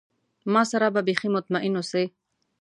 ما سره به بیخي مطمئن اوسی.